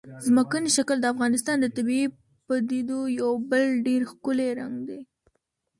ځمکنی شکل د افغانستان د طبیعي پدیدو یو بل ډېر ښکلی رنګ دی.